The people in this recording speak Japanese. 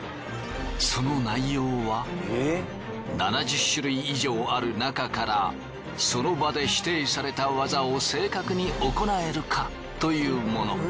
その内容は７０種類以上ある中からその場で指定された技を正確に行えるかというもの。